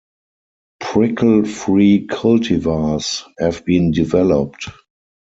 Prickle-free cultivars have been developed.